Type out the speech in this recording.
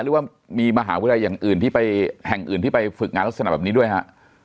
หรือว่ามีมหาวิทยาลัยอย่างอื่นที่ไปแห่งอื่นที่ไปฝึกงานลักษณะแบบนี้ด้วยฮะ